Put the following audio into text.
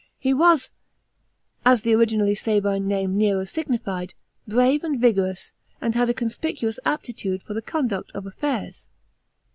He was, as the originally Sabine name Nero signified, brave and vigorous ; and had a conspicuous aptitude fer the conduct of affairs.